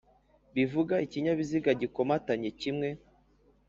bivuga ikinyabiziga gikomatanye kimwe